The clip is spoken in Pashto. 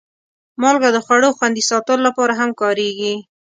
مالګه د خوړو خوندي ساتلو لپاره هم کارېږي.